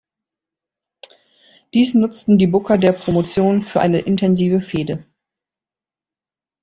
Dies nutzten die Booker der Promotion für eine intensive Fehde.